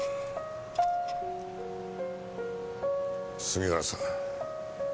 杉浦さん